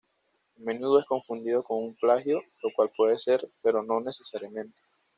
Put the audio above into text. A menudo es confundido con un plagio, lo cual puede ser, pero no necesariamente.